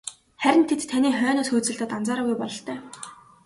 Харин тэд таны хойноос хөөцөлдөөд анзаараагүй бололтой.